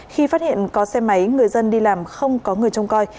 khi phát hiện có xe máy người dân đi làm không có người trông coi